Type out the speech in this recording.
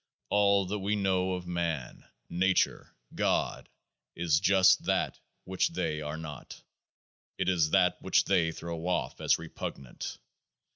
All that we know of Man, Nature, God, is just that which they are not ; it is that which they throw off as repungnant.